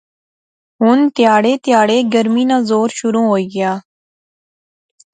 ہُن تیہڑے تیہڑے گرمی نا زور شروع ہوئی غیا